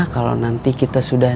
kalau nanti kita sudah